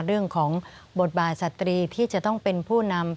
เรื่องของบทบาทสตรีที่จะต้องเป็นผู้นำ